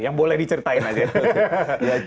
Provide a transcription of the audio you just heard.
yang boleh diceritain aja